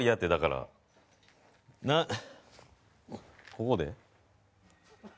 ここで？